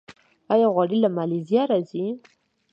آیا غوړي له مالیزیا راځي؟